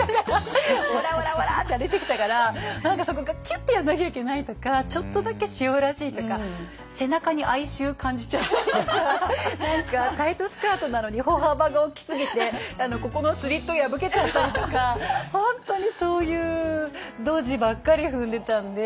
オラオラオラって歩いてきたから何かそこがキュッてやんなきゃいけないとかちょっとだけしおらしいとか背中に哀愁感じちゃったりとか何かタイトスカートなのに歩幅が大きすぎてここのスリット破けちゃったりとか本当にそういうドジばっかり踏んでたんで。